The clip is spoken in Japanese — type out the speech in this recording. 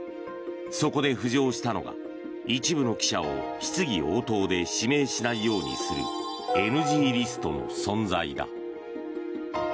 そこで浮上したのが一部の記者を質疑応答で指名しないようにするＮＧリストの存在だ。